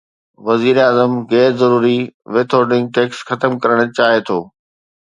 وزيراعظم غير ضروري ود هولڊنگ ٽيڪس ختم ڪرڻ چاهي ٿو